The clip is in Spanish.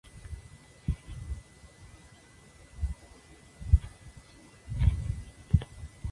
Los compuestos de perovskita son relativamente fáciles y baratos de producir.